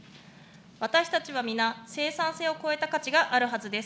私たちは皆、生産性を超えた価値があるはずです。